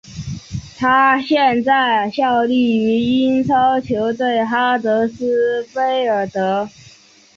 他现在效力于英超球队哈德斯菲尔德。